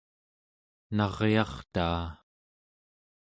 naryartaa